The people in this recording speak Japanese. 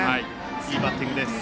いいバッティングです。